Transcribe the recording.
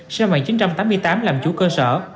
xe mạng chín trăm tám mươi tám làm chủ cơ sở